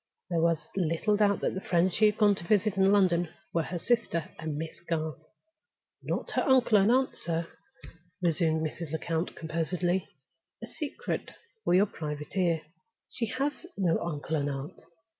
There was little doubt that the friends she had gone to visit in London were her sister and Miss Garth. "Not her uncle and aunt, sir," resumed Mrs. Lecount, composedly. "A secret for your private ear! She has no uncle and aunt.